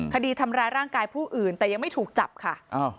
คดีทำร้ายร่างกายผู้อื่นแต่ยังไม่ถูกจับค่ะ